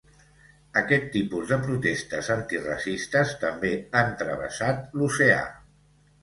Aquest tipus de protestes antiracistes també han travessat l’oceà.